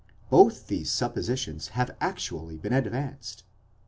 Both these suppositions have actually been advanced.'